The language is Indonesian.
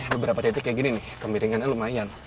beberapa titik kayak gini nih kemiringannya lumayan